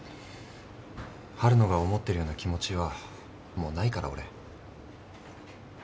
春野が思ってるような気持ちはもうないから俺。